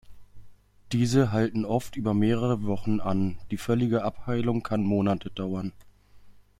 Diese halten oft über mehrere Wochen an, die völlige Abheilung kann Monate dauern.